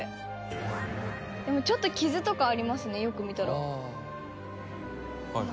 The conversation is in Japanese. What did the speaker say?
でもちょっと傷とかありますねよく見たら。